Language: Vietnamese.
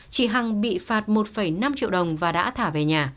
chị hằng bị phạt một năm triệu đồng và đã thả về nhà